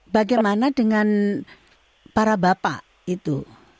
bagaimana dengan para bapak itu